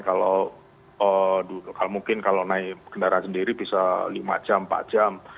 kalau mungkin kalau naik kendaraan sendiri bisa lima jam empat jam